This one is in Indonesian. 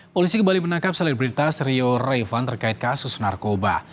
polisi kembali menangkap selebritas rio raivan terkait kasus narkoba